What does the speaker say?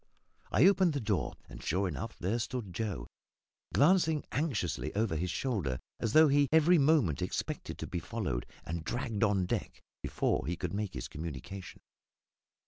I opened the door; and, sure enough, there stood Joe, glancing anxiously over his shoulder, as though he every moment expected to be followed and dragged on deck before he could make his communication.